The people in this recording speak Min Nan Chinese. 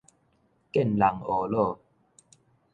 見人呵咾